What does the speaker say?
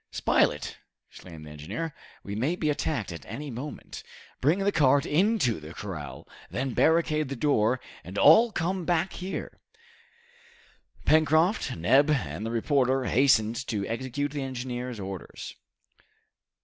"Spilett," exclaimed the engineer, "we may be attacked at any moment. Bring the cart into the corral. Then, barricade the door, and all come back here." Pencroft, Neb, and the reporter hastened to execute the engineer's orders.